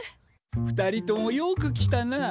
２人ともよく来たなあ。